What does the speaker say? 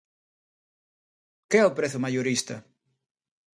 Que é o prezo maiorista?